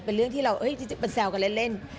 เป็นเรื่องที่เราเอ้ยจริงมันแซวกันเล่น